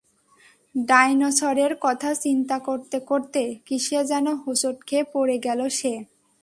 ডাইনোসরের কথা চিন্তা করতে করতে কিসে যেন হোঁচট খেয়ে পড়ে গেল সে।